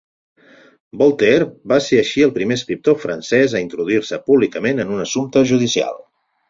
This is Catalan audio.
Voltaire va ser així el primer escriptor francès a introduir-se públicament en un assumpte judicial.